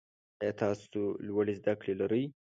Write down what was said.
آیا تاسو لوړي زده کړي لرئ؟